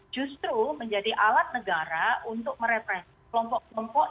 justru menjadi alat negara untuk merepresi kelompok kelompok